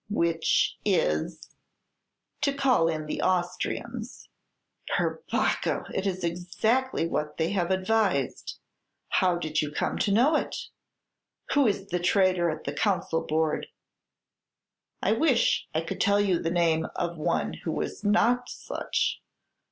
"Which is " "To call in the Austrians." "Per Bacco! it is exactly what they have advised. How did you come to know it? Who is the traitor at the Council board?" "I wish I could tell you the name of one who was not such.